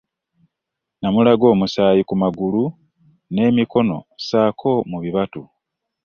Namulaga omusaayi ku magulu n'emikono ssaako mu bibatu.